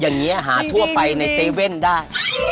อย่างนี้หาทั่วไปในเซเว่นได้